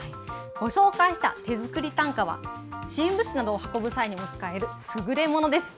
ご紹介した手作り担架は、新聞紙などを運ぶ際にも使える優れものです。